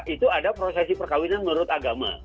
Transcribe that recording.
itu ada prosesi perkawinan menurut agama